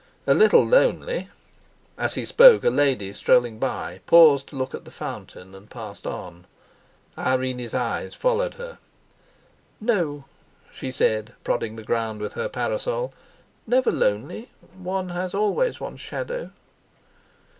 "A little lonely." As he spoke, a lady, strolling by, paused to look at the fountain and passed on. Irene's eyes followed her. "No," she said, prodding the ground with her parasol, "never lonely. One has always one's shadow."